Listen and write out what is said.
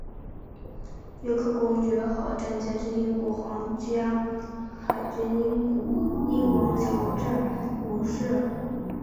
约克公爵号战舰是英国皇家海军英王乔治五世级战列舰的三号舰。